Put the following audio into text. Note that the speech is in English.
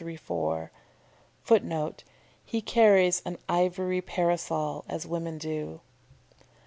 [Footnote: "He carries an ivory parasol, as women do."